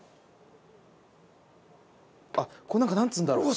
あっこれなんかなんつうんだろう？